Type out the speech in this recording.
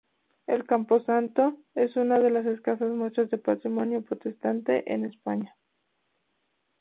El camposanto es una de las escasas muestras de patrimonio protestante en España.